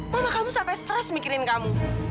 mama kamu sampai stres mikirin kamu